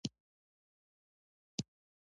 دویم: مالیات راټولول.